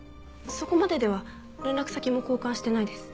そこまででは連絡先も交換してないです。